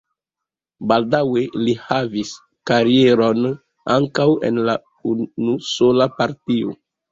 Baldaŭe li havis karieron ankaŭ en la unusola partio.